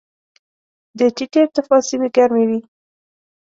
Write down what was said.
د ټیټې ارتفاع سیمې ګرمې وي.